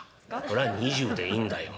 「それは２０でいいんだよ